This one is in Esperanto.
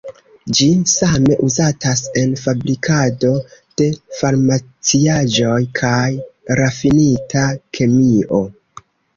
Ĝi same uzatas en fabrikado de farmaciaĵoj kaj rafinita kemio.